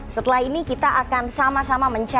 setelah ini kita akan sama sama mencari